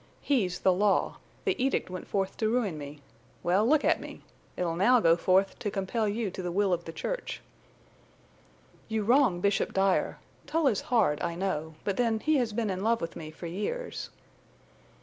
"He's the law. The edict went forth to ruin me. Well, look at me! It'll now go forth to compel you to the will of the Church." "You wrong Bishop Dyer. Tull is hard, I know. But then he has been in love with me for years."